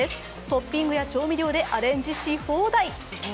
トッピングや調味料でアレンジし放題。